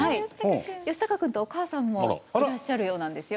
吉孝君とお母さんもいらっしゃるようなんですよ。